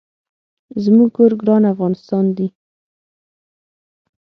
زمونږ کور ګران افغانستان دي